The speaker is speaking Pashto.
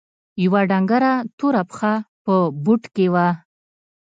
يوه ډنګره توره پښه په بوټ کښې وه.